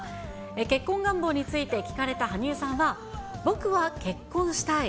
結婚願望について聞かれた羽生さんは、僕は結婚したい。